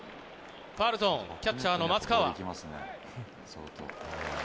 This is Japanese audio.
ファウルゾーン、キャッチャーの松川。